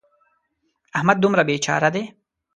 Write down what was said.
احمد دومره بې چاره دی.